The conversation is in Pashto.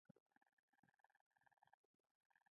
اوس نظرګی ورورک سیاسي هم شوی دی.